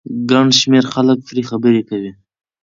ګن شمېر خلک پرې خبرې کوي